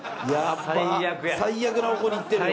最悪な方向にいってるよ